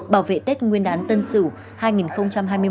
bảo vệ tết nguyên đán tân sửu hai nghìn hai mươi một